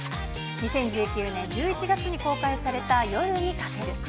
２０１９年１１月に公開された夜に駆ける。